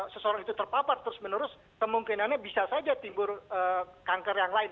seseorang itu terpapar terus menerus kemungkinannya bisa saja timbul kanker yang lain